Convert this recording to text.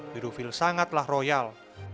pedofil sangatlah royal